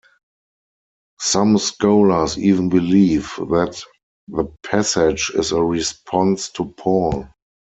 Some scholars even believe that the passage is a response to Paul.